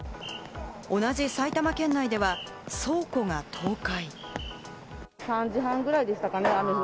同じ埼玉県内では倉庫が倒壊。